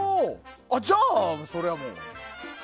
じゃあ、それはもう。